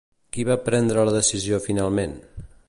Qui va prendre la decisió finalment?